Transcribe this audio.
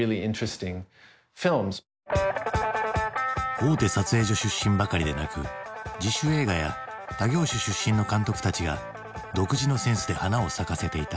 大手撮影所出身ばかりでなく自主映画や他業種出身の監督たちが独自のセンスで花を咲かせていた。